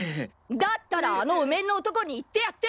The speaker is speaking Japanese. だったらあのお面の男に言ってやってよ！